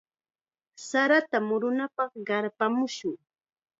Sarata murunapaq qarpamushun.